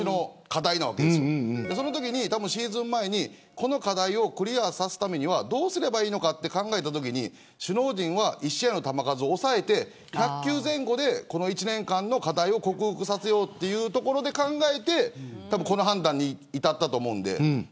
そのときにシーズン前にこの課題をクリアさせるためにはどうすればいいのかと考えたときに首脳陣は１試合の球数を抑えて１００球前後でこの１年間の課題を克服させようというところでこの判断に至ったと思うので。